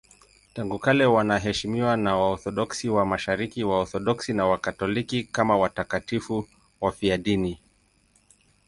Tangu kale wanaheshimiwa na Waorthodoksi wa Mashariki, Waorthodoksi na Wakatoliki kama watakatifu wafiadini.